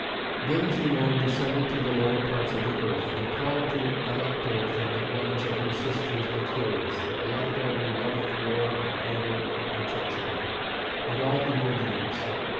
Then Juno descended to the lower parts of the earth, and called to Alecto from the dwellings of her sisters the Furies Alecto who loveth war and anger and treachery, and all evil deeds.